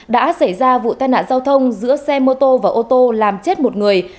đã xảy ra vụ tai nạn giao thông giữa xe mô tô và ô tô làm chết một người